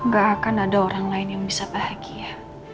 gak akan ada orang lain yang bisa bahagia